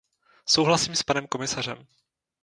Souhlasím s panem komisařem.